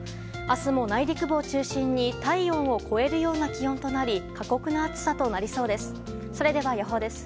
明日も内陸部を中心に体温を超えるような気温となり過酷な暑さになりそうです。